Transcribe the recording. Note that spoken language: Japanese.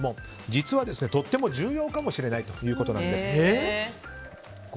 実は、とっても重要かもしれないということなんです。